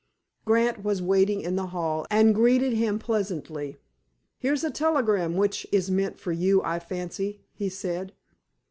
Grant was waiting in the hall, and greeted him pleasantly. "Here's a telegram which is meant for you, I fancy," he said.